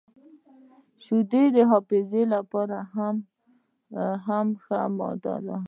• شیدې د حافظې لپاره هم ښه ماده ده.